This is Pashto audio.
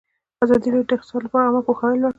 ازادي راډیو د اقتصاد لپاره عامه پوهاوي لوړ کړی.